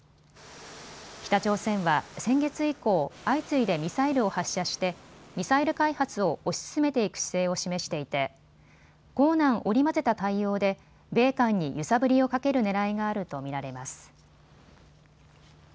北朝鮮は先月以降、相次いでミサイルを発射してミサイル開発を推し進めていく姿勢を示していて硬軟織り交ぜた対応で米韓に揺さぶりをかけるねらいがあると見られます。